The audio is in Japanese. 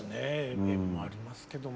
縁もありますけども。